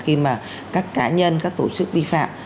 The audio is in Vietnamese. khi mà các cá nhân các tổ chức vi phạm